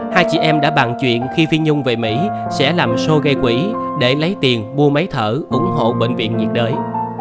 hai chị em đã bàn chuyện khi phi nhung về mỹ sẽ làm show gay quỷ để lấy tiền bua máy thở ủng hộ bệnh viện nhiệt đới